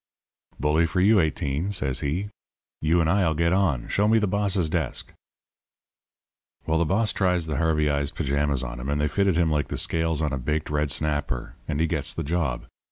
"'Bully for you, Eighteen,' says he. 'You and I'll get on. Show me the boss's desk.' "Well, the boss tries the Harveyized pajamas on him, and they fitted him like the scales on a baked redsnapper, and he gets the job.